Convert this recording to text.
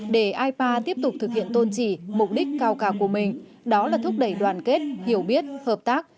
để ipa tiếp tục thực hiện tôn trì mục đích cao cả của mình đó là thúc đẩy đoàn kết hiểu biết hợp tác